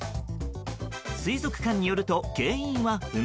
水族館によると原因は不明。